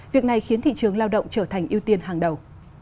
việc này khiến thị trường lao động trở thành ưu tiên hàng đầu